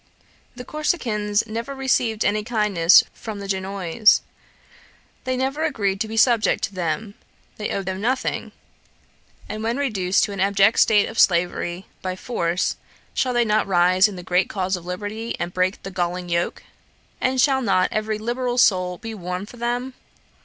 The Corsicans never received any kindness from the Genoese. They never agreed to be subject to them. They owe them nothing; and when reduced to an abject state of slavery, by force, shall they not rise in the great cause of liberty, and break the galling yoke? And shall not every liberal soul be warm for them?